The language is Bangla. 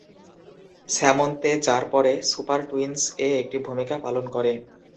স্যামোন্তে, যার পরে সুপার টুইনস এ একটি ভূমিকা পালন করে।